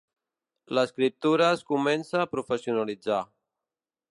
L'escriptura es comença a professionalitzar.